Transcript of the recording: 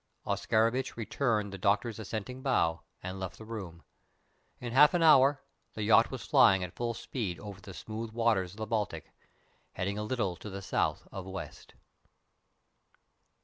Oscarovitch returned the doctor's assenting bow and left the room. In half an hour the yacht was flying at full speed over the smooth waters of the Baltic, heading a little to the south of West.